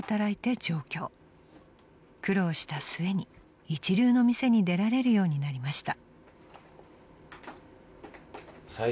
［苦労した末に一流の店に出られるようになりました］